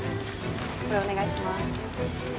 これお願いします